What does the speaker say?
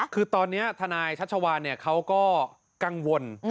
คือตอนนี้ทนายชัชวานเขาก็กังวล